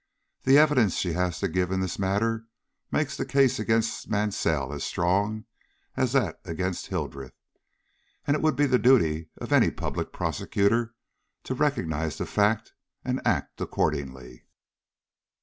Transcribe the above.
The evidence she has to give in this matter makes the case against Mansell as strong as that against Hildreth, and it would be the duty of any public prosecutor to recognize the fact and act accordingly."